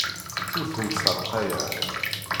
Ur tent-ssalqayeɣ.